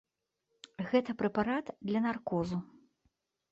Гэта прэпарат для наркозу.